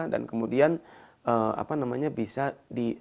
dan kemudian apa namanya bisa di